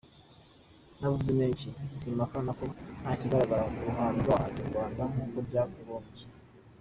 Ntavuze menshi, simpakana ko ntakigaragara mu ruhando rw’abahanzi nyarwanda nk’uko byakagombye.